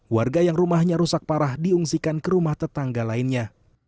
warga yang rumahnya rusak parah diungsikan ke rumah tetangga lainnya